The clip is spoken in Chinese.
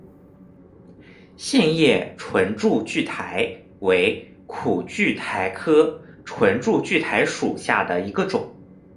线叶唇柱苣苔为苦苣苔科唇柱苣苔属下的一个种。